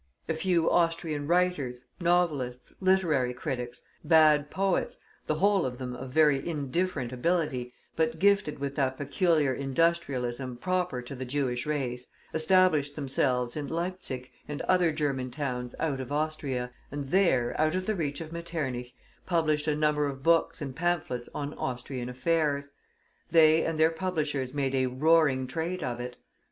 A few Austrian writers, novelists, literary critics, bad poets, the whole of them of very indifferent ability, but gifted with that peculiar industrialism proper to the Jewish race, established themselves in Leipsic and other German towns out of Austria, and there, out of the reach of Metternich, published a number of books and pamphlets on Austrian affairs. They and their publishers made "a roaring trade" of it.